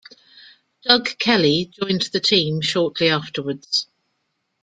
Doug Kelly joined the team shortly afterwards.